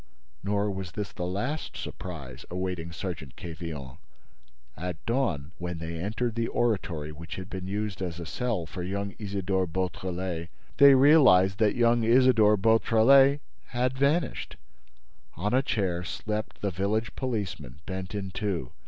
—" Nor was this the last surprise awaiting Sergeant Quevillon. At dawn, when they entered the oratory which had been used as a cell for young Isidore Beautrelet, they realized that young Isidore Beautrelet had vanished. On a chair slept the village policeman, bent in two.